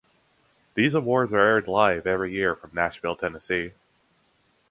These awards are aired live every year from Nashville, Tennessee.